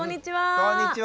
こんにちは！